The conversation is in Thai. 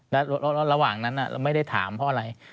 แล้วระหว่างนั้นไม่ได้ถามเพราะอะไร